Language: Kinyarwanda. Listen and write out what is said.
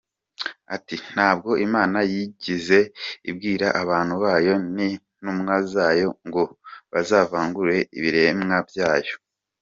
Ati “Ntabwo Imana yigeze ibwira abantu bayo, n’intumwa zayo, ngo bazavangure ibiremwa byayo.